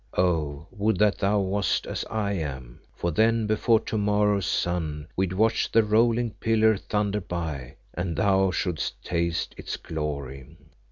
Oh! would that thou wast as I am, for then before tomorrow's sun we'd watch the rolling pillar thunder by, and thou shouldst taste its glory.